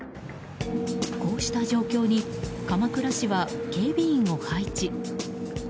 こうした状況に鎌倉市は警備員を配置。